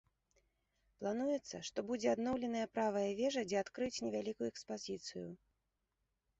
Плануецца, што будзе адноўленая правая вежа, дзе адкрыюць невялікую экспазіцыю.